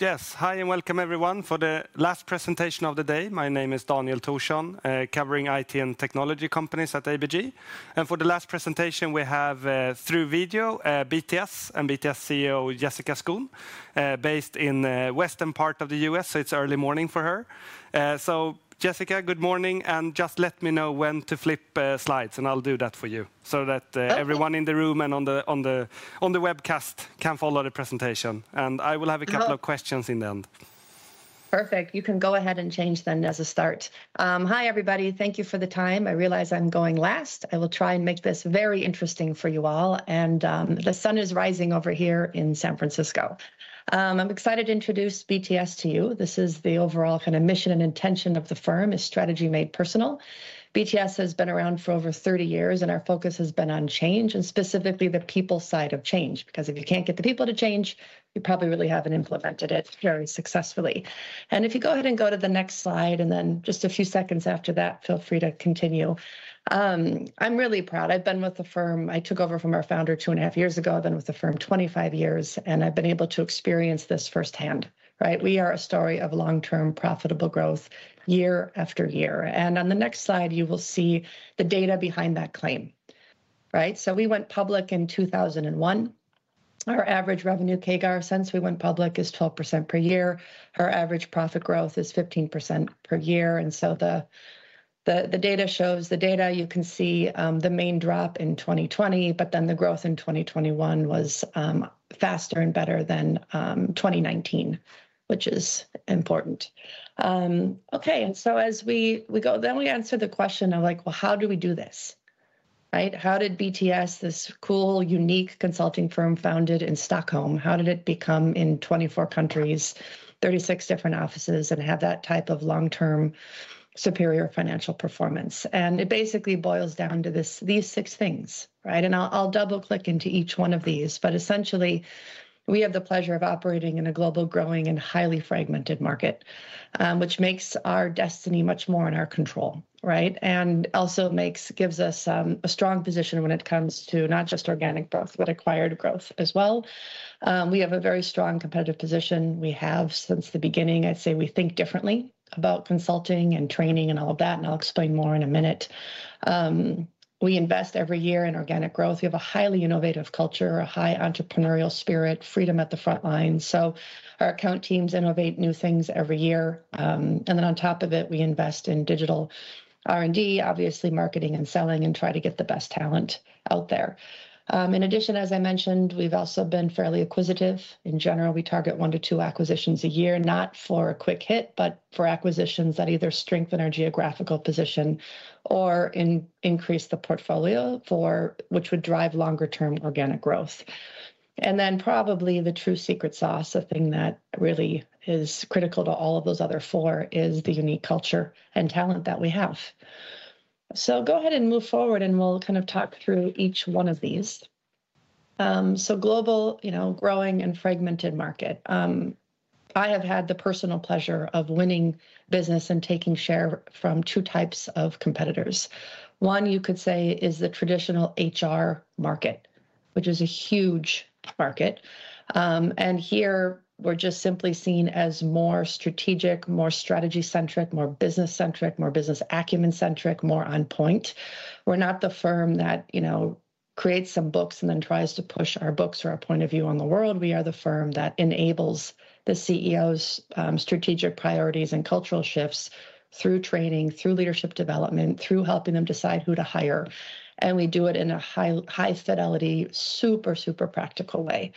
Yes, hi and welcome everyone for the last presentation of the day. My name is Daniel Thorsson, covering IT and technology companies at ABG. And for the last presentation, we have through video BTS and BTS CEO Jessica Skon based in the western part of the U.S., so it's early morning for her. So Jessica, good morning, and just let me know when to flip slides, and I'll do that for you so that everyone in the room and on the webcast can follow the presentation. And I will have a couple of questions in the end. Perfect, you can go ahead and change then as a start. Hi everybody, thank you for the time. I realize I'm going last. I will try and make this very interesting for you all, and the sun is rising over here in San Francisco. I'm excited to introduce BTS to you. This is the overall kind of mission and intention of the firm: a strategy made personal. BTS has been around for over 30 years, and our focus has been on change and specifically the people side of change, because if you can't get the people to change, you probably really haven't implemented it very successfully, and if you go ahead and go to the next slide, and then just a few seconds after that, feel free to continue. I'm really proud. I've been with the firm. I took over from our founder two and a half years ago. I've been with the firm 25 years, and I've been able to experience this firsthand, right? We are a story of long-term profitable growth year after year. And on the next slide, you will see the data behind that claim, right? So we went public in 2001. Our average revenue CAGR since we went public is 12% per year. Our average profit growth is 15% per year. And so the data shows the data, you can see the main drop in 2020, but then the growth in 2021 was faster and better than 2019, which is important. Okay, and so as we go, then we answer the question of like, well, how do we do this, right? How did BTS, this cool, unique consulting firm founded in Stockholm, how did it become in 24 countries, 36 different offices, and have that type of long-term superior financial performance? And it basically boils down to these six things, right? And I'll double-click into each one of these, but essentially we have the pleasure of operating in a global, growing, and highly fragmented market, which makes our destiny much more in our control, right? And also gives us a strong position when it comes to not just organic growth, but acquired growth as well. We have a very strong competitive position. We have, since the beginning, I'd say we think differently about consulting and training and all of that, and I'll explain more in a minute. We invest every year in organic growth. We have a highly innovative culture, a high entrepreneurial spirit, freedom at the front line. So our account teams innovate new things every year. Then on top of it, we invest in digital R&D, obviously marketing and selling, and try to get the best talent out there. In addition, as I mentioned, we've also been fairly acquisitive. In general, we target one to two acquisitions a year, not for a quick hit, but for acquisitions that either strengthen our geographical position or increase the portfolio, which would drive longer-term organic growth. Then probably the true secret sauce, the thing that really is critical to all of those other four, is the unique culture and talent that we have. Go ahead and move forward, and we'll kind of talk through each one of these. Global, you know, growing and fragmented market. I have had the personal pleasure of winning business and taking share from two types of competitors. One, you could say, is the traditional HR market, which is a huge market, and here we're just simply seen as more strategic, more strategy-centric, more business-centric, more business acumen-centric, more on point. We're not the firm that, you know, creates some books and then tries to push our books or our point of view on the world. We are the firm that enables the CEO's strategic priorities and cultural shifts through training, through leadership development, through helping them decide who to hire, and we do it in a high fidelity, super, super practical way.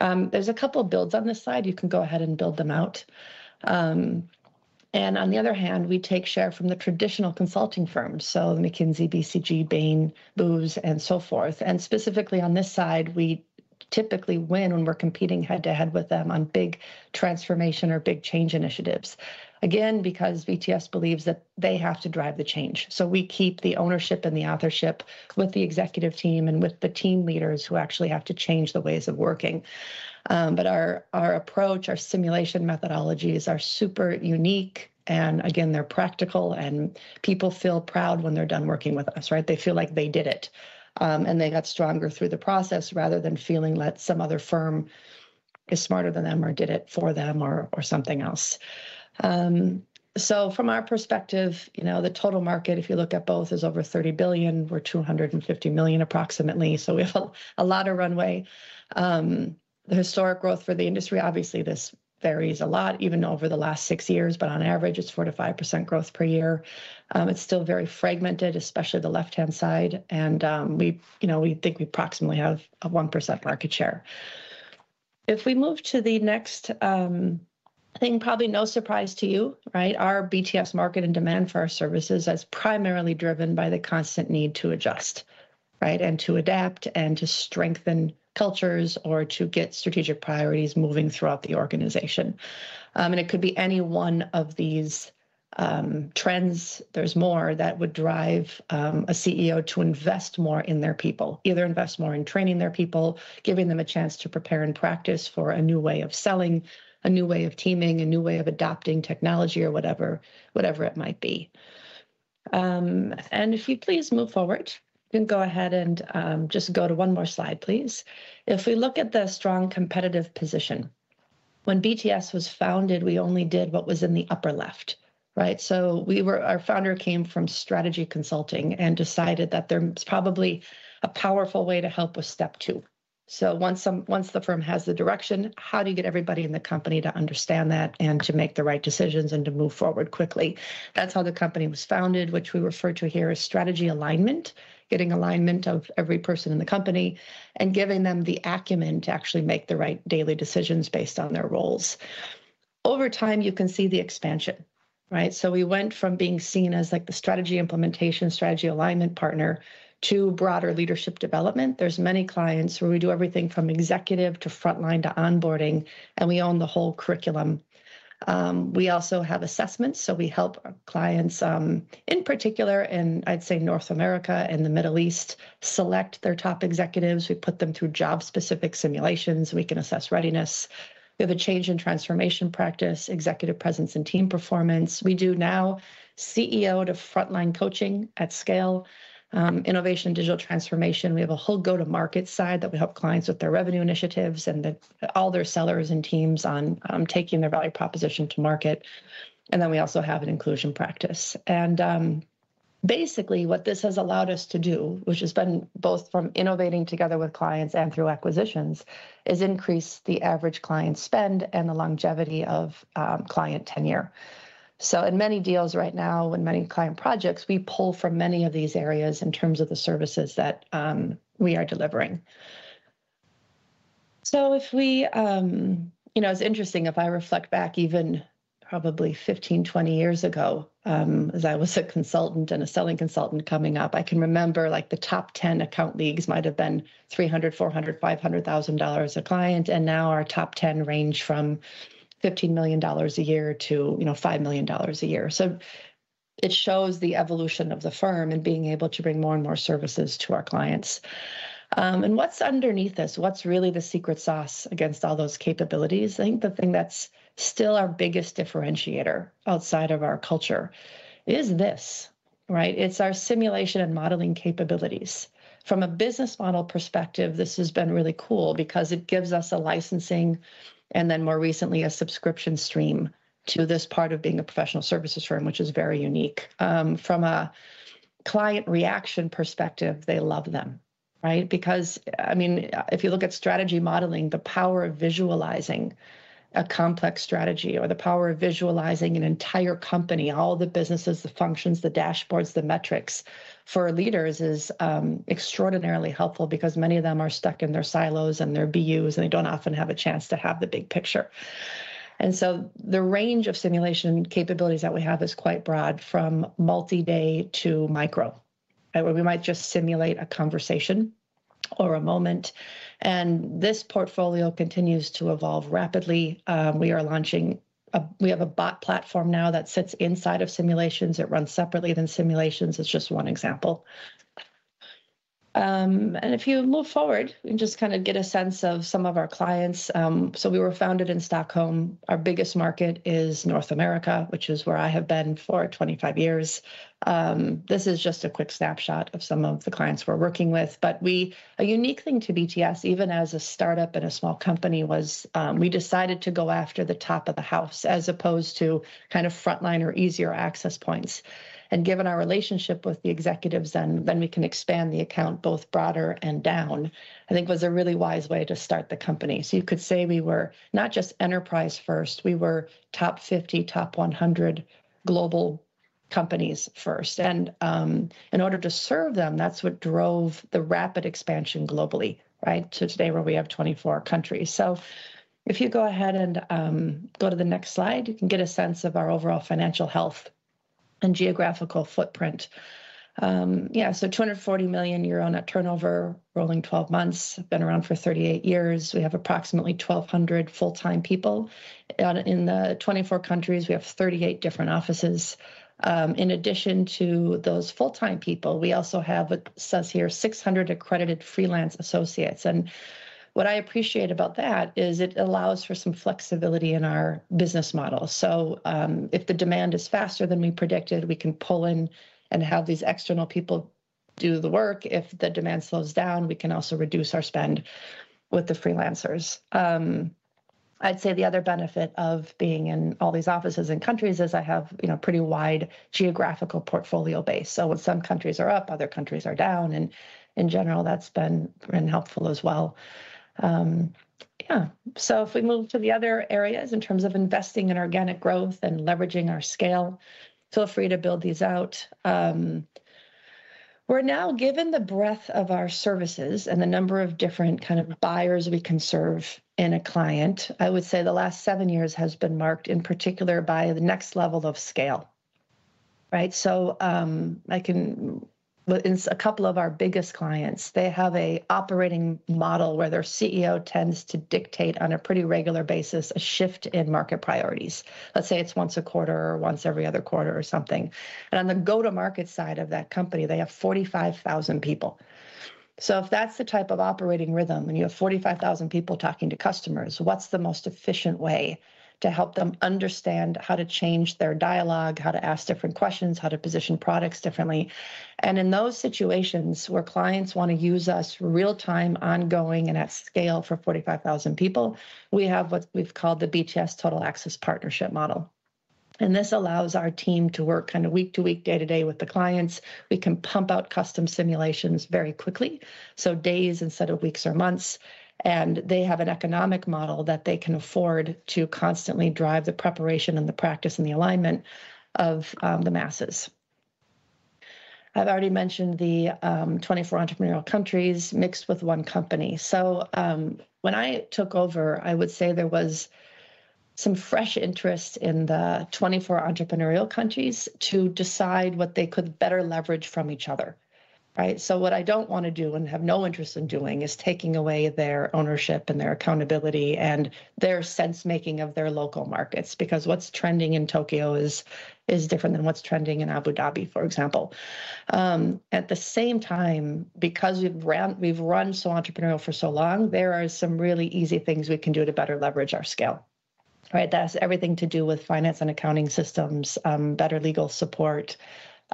There's a couple of builds on this slide. You can go ahead and build them out, and on the other hand, we take share from the traditional consulting firms, so McKinsey, BCG, Bain, Booz, and so forth. And specifically on this side, we typically win when we're competing head-to-head with them on big transformation or big change initiatives. Again, because BTS believes that they have to drive the change. So we keep the ownership and the authorship with the Executive Teams and with the Team Leaders who actually have to change the ways of working. But our approach, our simulation methodologies are super unique. And again, they're practical, and people feel proud when they're done working with us, right? They feel like they did it, and they got stronger through the process rather than feeling that some other firm is smarter than them or did it for them or something else. So from our perspective, you know, the total market, if you look at both, is over $30 billion. We're $250 million approximately, so we have a lot of runway. The historic growth for the industry, obviously this varies a lot, even over the last six years, but on average, it's 4%-5% growth per year. It's still very fragmented, especially the left-hand side, and we, you know, we think we approximately have a 1% market share. If we move to the next thing, probably no surprise to you, right? Our BTS market and demand for our services is primarily driven by the constant need to adjust, right, and to adapt and to strengthen cultures or to get strategic priorities moving throughout the organization, and it could be any one of these trends. There's more that would drive a CEO to invest more in their people, either invest more in training their people, giving them a chance to prepare and practice for a new way of selling, a new way of teaming, a new way of adopting technology or whatever, whatever it might be. And if you please move forward, you can go ahead and just go to one more slide, please. If we look at the strong competitive position, when BTS was founded, we only did what was in the upper left, right? So our founder came from strategy consulting and decided that there's probably a powerful way to help with step two. So once the firm has the direction, how do you get everybody in the company to understand that and to make the right decisions and to move forward quickly? That's how the company was founded, which we refer to here as strategy alignment, getting alignment of every person in the company and giving them the acumen to actually make the right daily decisions based on their roles. Over time, you can see the expansion, right? So we went from being seen as like the strategy implementation, strategy alignment partner to broader leadership development. There's many clients where we do everything from executive to front line to onboarding, and we own the whole curriculum. We also have assessments, so we help our clients, in particular, and I'd say North America and the Middle East, select their top executives. We put them through job-specific simulations. We can assess readiness. We have a change in transformation practice, executive presence, and team performance. We do now CEO to front line coaching at scale, innovation, digital transformation. We have a whole go-to-market side that we help clients with their revenue initiatives and all their sellers and teams on taking their value proposition to market. And then we also have an inclusion practice. And basically what this has allowed us to do, which has been both from innovating together with clients and through acquisitions, is increase the average client spend and the longevity of client tenure. So in many deals right now, in many client projects, we pull from many of these areas in terms of the services that we are delivering. So if we, you know, it's interesting if I reflect back even probably 15, 20 years ago as I was a consultant and a selling consultant coming up, I can remember like the top 10 account leagues might have been $300,000, $400,000, $500,000 a client. And now our top 10 range from $15-$5 million a year. So it shows the evolution of the firm and being able to bring more and more services to our clients. And what's underneath this? What's really the secret sauce against all those capabilities? I think the thing that's still our biggest differentiator outside of our culture is this, right? It's our simulation and modeling capabilities. From a business model perspective, this has been really cool because it gives us a licensing and then more recently a subscription stream to this part of being a professional services firm, which is very unique. From a client reaction perspective, they love them, right? Because, I mean, if you look at strategy modeling, the power of visualizing a complex strategy or the power of visualizing an entire company, all the businesses, the functions, the dashboards, the metrics for leaders is extraordinarily helpful because many of them are stuck in their silos and their BUs, and they don't often have a chance to have the big picture, and so the range of simulation capabilities that we have is quite broad, from multi-day to micro. We might just simulate a conversation or a moment, and this portfolio continues to evolve rapidly. We have a bot platform now that sits inside of simulations. It runs separately than simulations. It's just one example, and if you move forward, we can just kind of get a sense of some of our clients, so we were founded in Stockholm. Our biggest market is North America, which is where I have been for 25 years. This is just a quick snapshot of some of the clients we're working with, but we, a unique thing to BTS, even as a startup and a small company, was we decided to go after the top of the house as opposed to kind of front line or easier access points. And given our relationship with the executives, then we can expand the account both broader and down, I think was a really wise way to start the company, so you could say we were not just enterprise first, we were top 50, top 100 global companies first. And in order to serve them, that's what drove the rapid expansion globally, right? To today where we have 24 countries. So if you go ahead and go to the next slide, you can get a sense of our overall financial health and geographical footprint. Yeah, so 240 million year-on-year net turnover, rolling 12 months, been around for 38 years. We have approximately 1,200 full-time people in the 24 countries. We have 38 different offices. In addition to those full-time people, we also have, it says here, 600 accredited freelance associates. And what I appreciate about that is it allows for some flexibility in our business model. So if the demand is faster than we predicted, we can pull in and have these external people do the work. If the demand slows down, we can also reduce our spend with the freelancers. I'd say the other benefit of being in all these offices and countries is I have, you know, pretty wide geographical portfolio base. So when some countries are up, other countries are down. And in general, that's been helpful as well. Yeah. So if we move to the other areas in terms of investing in organic growth and leveraging our scale, feel free to build these out. We're now, given the breadth of our services and the number of different kind of buyers we can serve in a client, I would say the last seven years has been marked in particular by the next level of scale, right? So I can with a couple of our biggest clients, they have an operating model where their CEO tends to dictate on a pretty regular basis a shift in market priorities. Let's say it's once a quarter or once every other quarter or something. And on the go-to-market side of that company, they have 45,000 people. So if that's the type of operating rhythm and you have 45,000 people talking to customers, what's the most efficient way to help them understand how to change their dialogue, how to ask different questions, how to position products differently? And in those situations where clients want to use us real-time, ongoing, and at scale for 45,000 people, we have what we've called the BTS Total Access Partnership model. And this allows our team to work kind of week to week, day to day with the clients. We can pump out custom simulations very quickly, so days instead of weeks or months. And they have an economic model that they can afford to constantly drive the preparation and the practice and the alignment of the masses. I've already mentioned the 24 entrepreneurial countries mixed with one company. So when I took over, I would say there was some fresh interest in the 24 entrepreneurial countries to decide what they could better leverage from each other, right? So what I don't want to do and have no interest in doing is taking away their ownership and their accountability and their sense-making of their local markets, because what's trending in Tokyo is different than what's trending in Abu Dhabi, for example. At the same time, because we've run so entrepreneurial for so long, there are some really easy things we can do to better leverage our scale, right? That has everything to do with finance and accounting systems, better legal support,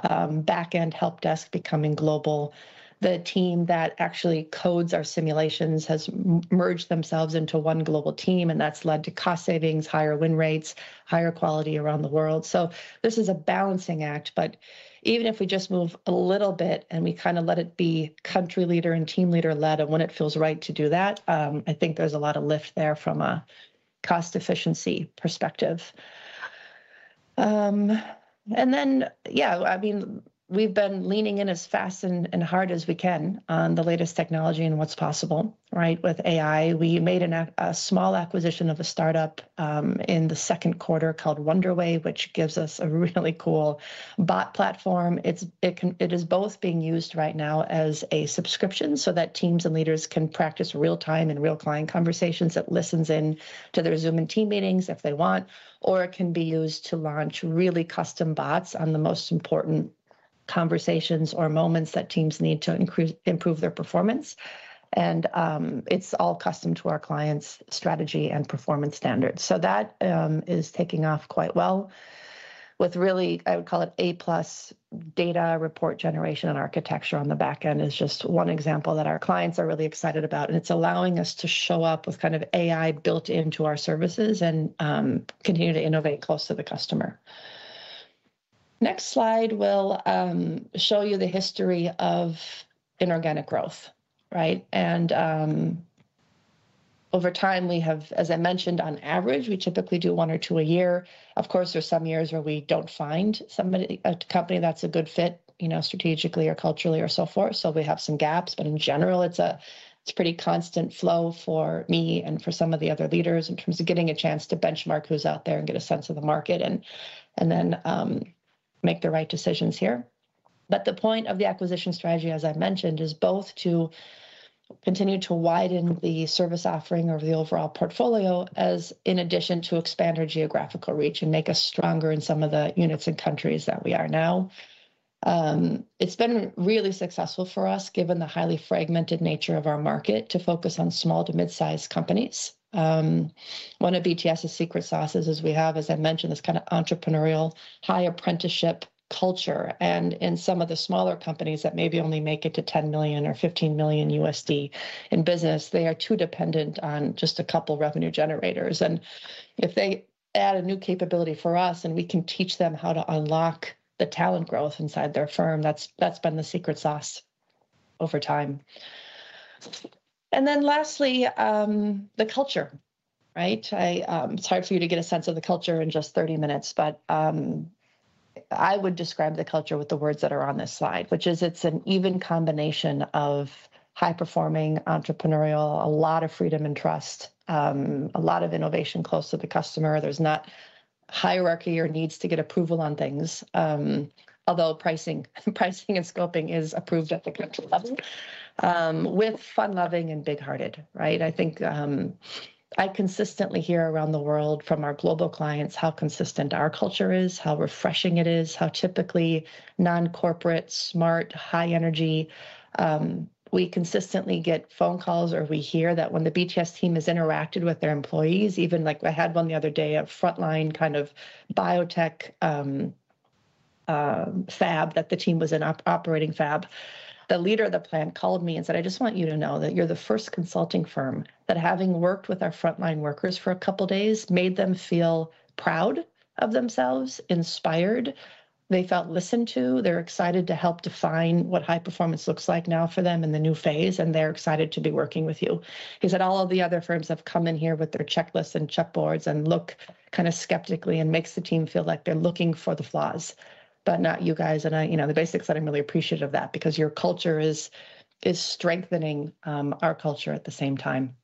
back-end help desk becoming global. The team that actually codes our simulations has merged themselves into one global team, and that's led to cost savings, higher win rates, higher quality around the world. So this is a balancing act. But even if we just move a little bit and we kind of let it be country leader and team leader led and when it feels right to do that, I think there's a lot of lift there from a cost efficiency perspective. And then, yeah, I mean, we've been leaning in as fast and hard as we can on the latest technology and what's possible, right? With AI, we made a small acquisition of a startup in the second quarter called Wonderway, which gives us a really cool bot platform. It is both being used right now as a subscription so that teams and leaders can practice real-time and real-time conversations that listens in to their Zoom and team meetings if they want, or it can be used to launch really custom bots on the most important conversations or moments that teams need to improve their performance. And it's all custom to our clients' strategy and performance standards. So that is taking off quite well with really, I would call it A-plus data report generation and architecture on the back end is just one example that our clients are really excited about. And it's allowing us to show up with kind of AI built into our services and continue to innovate close to the customer. Next slide will show you the history of inorganic growth, right? Over time, we have, as I mentioned, on average, we typically do one or two a year. Of course, there are some years where we don't find somebody, a company that's a good fit, you know, strategically or culturally or so forth. We have some gaps, but in general, it's a pretty constant flow for me and for some of the other leaders in terms of getting a chance to benchmark who's out there and get a sense of the market and then make the right decisions here. The point of the acquisition strategy, as I mentioned, is both to continue to widen the service offering over the overall portfolio as in addition to expand our geographical reach and make us stronger in some of the units and countries that we are now. It's been really successful for us, given the highly fragmented nature of our market, to focus on small to mid-sized companies. One of BTS's secret sauces is we have, as I mentioned, this kind of entrepreneurial high apprenticeship culture. And in some of the smaller companies that maybe only make it to $10 million or $15 million in business, they are too dependent on just a couple of revenue generators. And if they add a new capability for us and we can teach them how to unlock the talent growth inside their firm, that's been the secret sauce over time. And then lastly, the culture, right? It's hard for you to get a sense of the culture in just 30 minutes, but I would describe the culture with the words that are on this slide, which is it's an even combination of high-performing entrepreneurial, a lot of freedom and trust, a lot of innovation close to the customer. There's no hierarchy or need to get approval on things, although pricing and scoping is approved at the country level, with fun-loving and big-hearted, right? I think I consistently hear around the world from our global clients how consistent our culture is, how refreshing it is, how typically non-corporate, smart, high energy. We consistently get phone calls or we hear that when the BTS team has interacted with their employees, even like I had one the other day of front line kind of biotech fab that the team was in operating fab, the leader of the plant called me and said, "I just want you to know that you're the first consulting firm that, having worked with our front line workers for a couple of days, made them feel proud of themselves, inspired. They felt listened to. They're excited to help define what high performance looks like now for them in the new phase, and they're excited to be working with you." He said, "All of the other firms have come in here with their checklists and clipboards and look kind of skeptically and makes the team feel like they're looking for the flaws, but not you guys." And I, you know, basically said, "I'm really appreciative of that because your culture is strengthening our culture at the same time."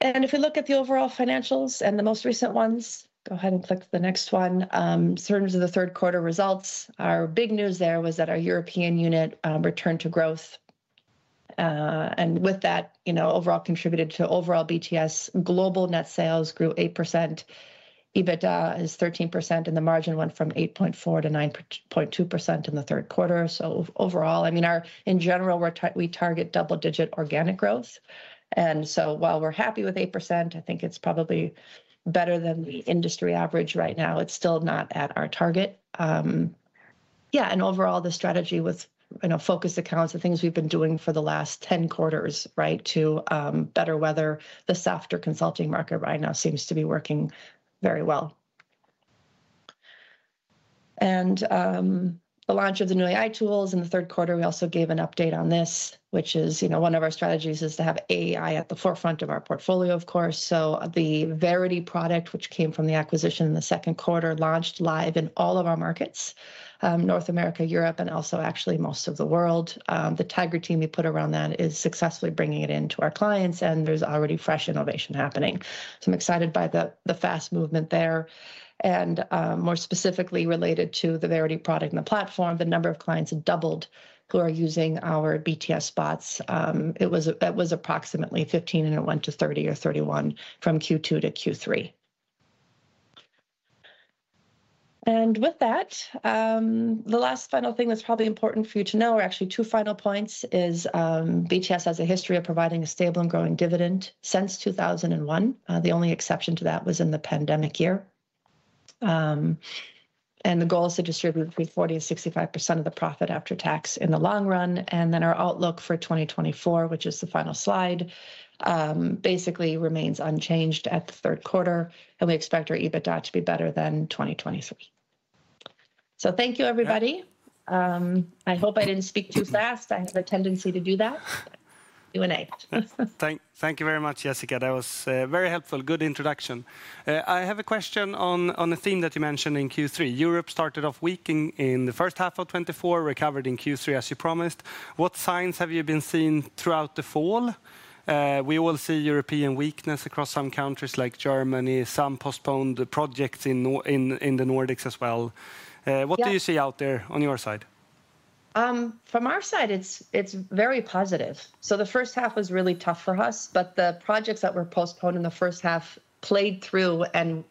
And if we look at the overall financials and the most recent ones, go ahead and click the next one, sort of the third quarter results. Our big news there was that our European unit returned to growth. And with that, you know, overall contributed to overall BTS global net sales grew 8%. EBITDA is 13%, and the margin went from 8.4% to 9.2% in the third quarter. So overall, I mean, in general, we target double-digit organic growth. And so while we're happy with 8%, I think it's probably better than the industry average right now. It's still not at our target. Yeah. And overall, the strategy was, you know, focus accounts, the things we've been doing for the last 10 quarters, right, to better weather the softer consulting market right now seems to be working very well. And the launch of the new AI tools in the third quarter, we also gave an update on this, which is, you know, one of our strategies is to have AI at the forefront of our portfolio, of course. So the Verity product, which came from the acquisition in the second quarter, launched live in all of our markets, North America, Europe, and also actually most of the world. The Tiger team we put around that is successfully bringing it into our clients, and there's already fresh innovation happening. So I'm excited by the fast movement there. And more specifically related to the Verity product and the platform, the number of clients doubled who are using our BTS bots. It was approximately 15, and it went to 30 or 31 from Q2 to Q3. And with that, the last final thing that's probably important for you to know, or actually two final points, is BTS has a history of providing a stable and growing dividend since 2001. The only exception to that was in the pandemic year. The goal is to distribute between 40% and 65% of the profit after tax in the long run. Our outlook for 2024, which is the final slide, basically remains unchanged at the third quarter, and we expect our EBITDA to be better than 2023. Thank you, everybody. I hope I didn't speak too fast. I have a tendency to do that. You and I. Thank you very much, Jessica. That was very helpful. Good introduction. I have a question on a theme that you mentioned in Q3. Europe started off weak in the first half of 2024, recovered in Q3 as you promised. What signs have you been seeing throughout the fall? We all see European weakness across some countries like Germany, some postponed projects in the Nordics as well. What do you see out there on your side? From our side, it's very positive. So the first half was really tough for us, but the projects that were postponed in the first half played through, and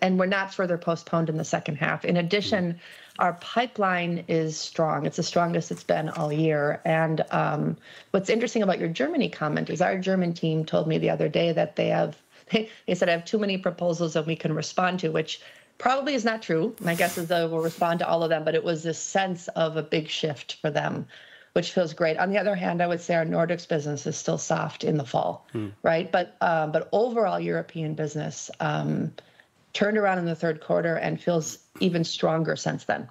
we're not further postponed in the second half. In addition, our pipeline is strong. It's the strongest it's been all year. And what's interesting about your Germany comment is our German team told me the other day that they said I have too many proposals that we can respond to, which probably is not true. My guess is they will respond to all of them, but it was this sense of a big shift for them, which feels great. On the other hand, I would say our Nordics business is still soft in the fall, right? But overall, European business turned around in the third quarter and feels even stronger since then.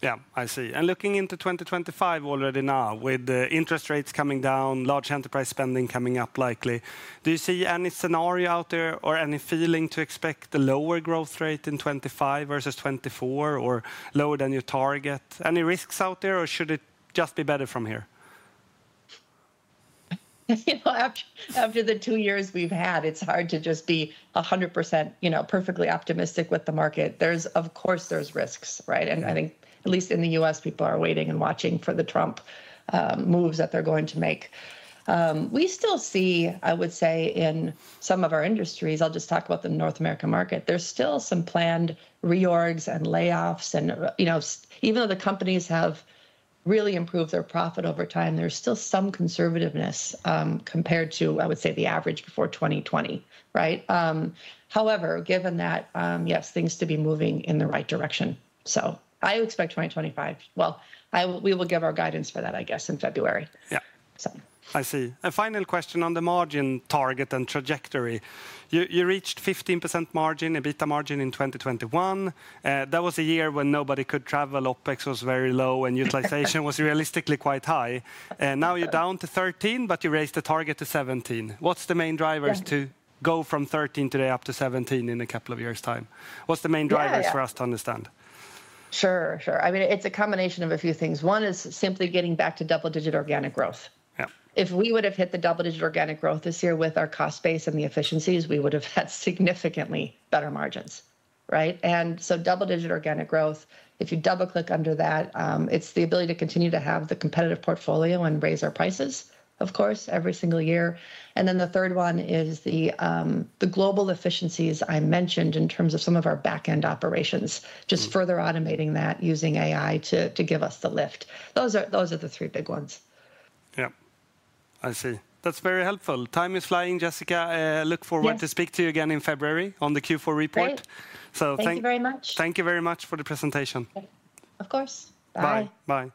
Yeah, I see. Looking into 2025 already now with interest rates coming down, large enterprise spending coming up likely, do you see any scenario out there or any feeling to expect a lower growth rate in 2025 versus 2024 or lower than your target? Any risks out there, or should it just be better from here? You know, after the two years we've had, it's hard to just be 100%, you know, perfectly optimistic with the market. There's, of course, risks, right? And I think at least in the U.S., people are waiting and watching for the Trump moves that they're going to make. We still see, I would say, in some of our industries, I'll just talk about the North American market, there's still some planned reorgs and layoffs. You know, even though the companies have really improved their profit over time, there's still some conservativeness compared to, I would say, the average before 2020, right? However, given that, yes, things to be moving in the right direction. I expect 2025, well, we will give our guidance for that, I guess, in February. Yeah. I see. A final question on the margin target and trajectory. You reached 15% margin and EBITDA margin in 2021. That was a year when nobody could travel. OPEX was very low and utilization was realistically quite high. Now you're down to 13%, but you raised the target to 17%. What's the main drivers to go from 13% today up to 17% in a couple of years' time? What's the main drivers for us to understand? Sure, sure. I mean, it's a combination of a few things. One is simply getting back to double-digit organic growth. If we would have hit the double-digit organic growth this year with our cost base and the efficiencies, we would have had significantly better margins, right? And so double-digit organic growth, if you double-click under that, it's the ability to continue to have the competitive portfolio and raise our prices, of course, every single year. And then the third one is the global efficiencies I mentioned in terms of some of our back-end operations, just further automating that using AI to give us the lift. Those are the three big ones. Yeah, I see. That's very helpful. Time is flying, Jessica. Look forward to speak to you again in February on the Q4 report. So thank you very much. Thank you very much for the presentation. Of course. Bye. Bye.